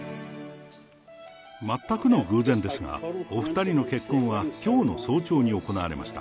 全くの偶然ですが、お２人の結婚はきょうの早朝に行われました。